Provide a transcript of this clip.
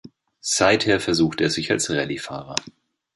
Seither versucht er sich als Rallye-Fahrer.